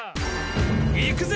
いくぜ！